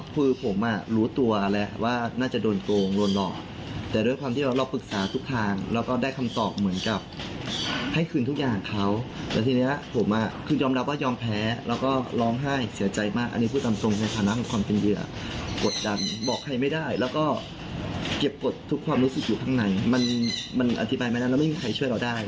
เพราะไม่งั้นมันจะเกิดเหตุการณ์แบบนี้